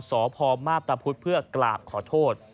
สพมาพตะพุทธเพื่อกราบขอโทษ